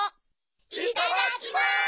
いただきます！